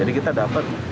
jadi kita dapat